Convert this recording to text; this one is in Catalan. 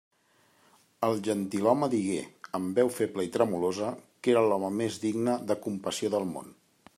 El gentilhome digué, amb veu feble i tremolosa, que era l'home més digne de compassió del món.